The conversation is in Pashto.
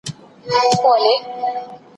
همکاري د پرمختګ اصلي کیلي ده.